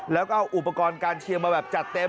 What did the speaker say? แล้วก็เอาอุปกรณ์การเชียงมาแบบจัดเต็ม